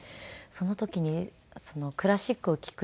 その時にクラシックを聴く授業